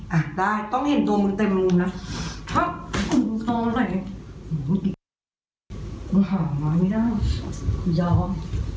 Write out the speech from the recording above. อ่ะได้ต้องเห็นตัวมันเต็มมุมน่ะตอนไหนมึงห่อมาไม่ได้ยอม